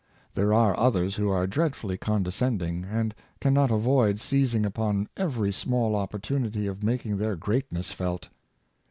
There are others who are dreadfully condescending, and can not avoid seizing upon every small opportunity of making their greatness felt.